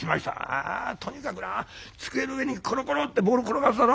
「あとにかくな机の上にコロコロってボール転がすだろ？